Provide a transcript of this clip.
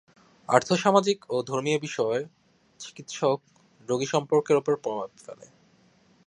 আর্থসামাজিক ও ধর্মীয় বিষয় চিকিৎসক রোগী সম্পর্কের ওপর প্রভাব ফেলে।